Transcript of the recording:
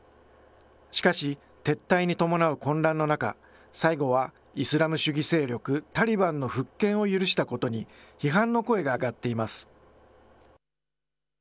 しかし、撤退に伴う混乱の中、最後はイスラム主義勢力タリバンの復権を許したことに批判の声が上がっています。